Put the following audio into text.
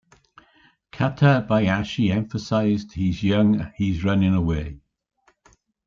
Kitabayashi emphasized, He's young, he's running away.